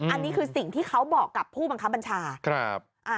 อันนี้คือสิ่งที่เขาบอกกับผู้บังคับบัญชาครับ